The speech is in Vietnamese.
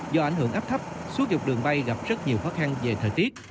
do ảnh hưởng áp thấp xúi dục đường bay gặp rất nhiều khó khăn về thời tiết